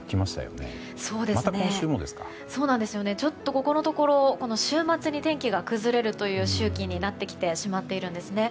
ここのところ週末に天気が崩れる周期になってきてしまっているんですね。